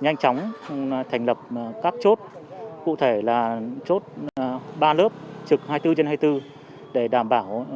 nhanh chóng thành lập các chốt cụ thể là chốt ba lớp trực hai mươi bốn trên hai mươi bốn để đảm bảo